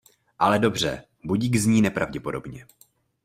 Ale dobře, budík zní nepravděpodobně.